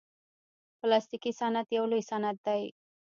پلاستيکي صنعت یو لوی صنعت دی.